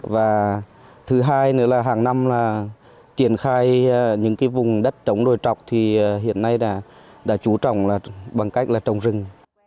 và thứ hai nữa là hàng năm là triển khai những vùng đất trống đồi trọc thì hiện nay đã chú trọng là bằng cách là trồng rừng